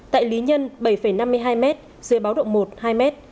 tại lý nhân bảy năm mươi hai m dưới báo động một hai m